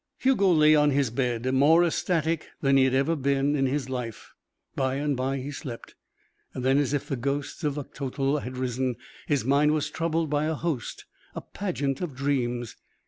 Hugo lay on his bed, more ecstatic than he had ever been in his life. By and by he slept. Then, as if the ghosts of Uctotol had risen, his mind was troubled by a host, a pageant of dreams.